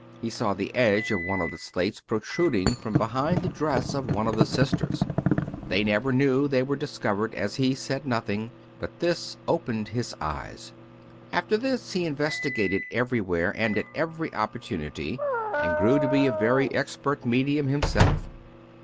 He saw the edge of one of the slates protruding from behind the dress of one of the sisters. They never knew they were discovered as he said nothing, but this " opened his eyes." After this he investigated everywhere, and at every oppor tunity, and grew to be a very expert medium himself.